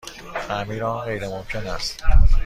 تعمیر آن غیرممکن است.